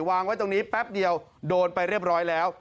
วางไว้ตรงนี้แป๊บเดียวโดนไปเรียบร้อยแล้ว